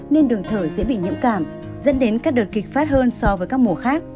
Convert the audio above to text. nên đường thở sẽ bị nhiễm cảm dẫn đến các đợt kịch phát hơn so với các mùa khác